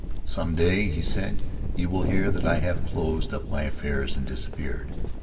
"Some day," he said, "you will hear that I have closed up my affairs and disappeared.